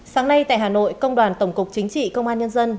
sáng nay tại hà nội công đoàn tổng cục chính trị công an nhân dân